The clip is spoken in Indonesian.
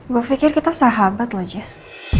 gue pikir kita sahabat loh jess